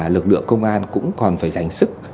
lực lượng công an cũng còn phải dành sức